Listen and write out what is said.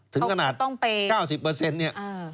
ถึงขนาด๙๐เนี่ย